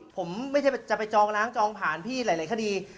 ผมไม่ใช่จะไปจองล้างจองผ่านพี่หลายคดี